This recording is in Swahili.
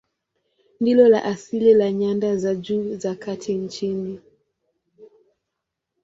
Ndilo la asili la nyanda za juu za kati nchini.